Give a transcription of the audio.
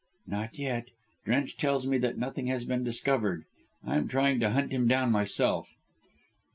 "Not yet. Drench tells me that nothing has been discovered. I am trying to hunt him down myself."